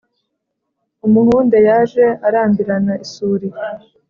Umuhunde yaje arambirana isuri